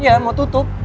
iya mau tutup